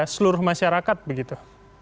ya seluruh masyarakat begitu